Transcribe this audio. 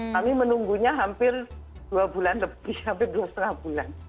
kami menunggunya hampir dua bulan lebih hampir dua lima bulan